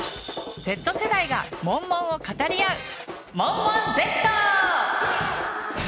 Ｚ世代がモンモンを語り合う「モンモンＺ」！